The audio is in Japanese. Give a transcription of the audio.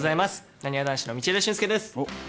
なにわ男子の道枝駿佑です。